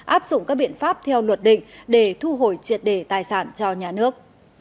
áp dụng các biện pháp theo luật định để thu hồi triệt đề tài sản cho nhà nước